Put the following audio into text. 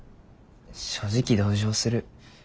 正直同情する。